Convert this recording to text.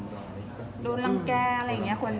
เหมือนวันนี้หนูไม่เคยคิดเลยว่าจะมีคนรักหนู